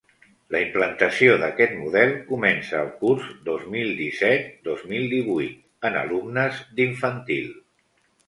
La implantació d’aquest model comença el curs dos mil disset-dos mil divuit en alumnes d’infantil.